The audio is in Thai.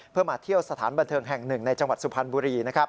เพื่อมาเที่ยวสถานบันเทิงแห่งหนึ่งในจังหวัดสุพรรณบุรี